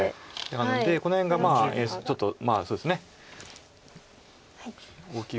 なのでこの辺がちょっとそうですね大きいぐらいで。